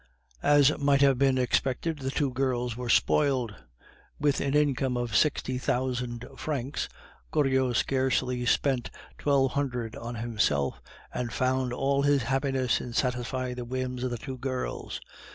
As might have been expected, the two girls were spoiled. With an income of sixty thousand francs, Goriot scarcely spent twelve hundred on himself, and found all his happiness in satisfying the whims of the two girls.